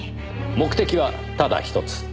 目的はただひとつ。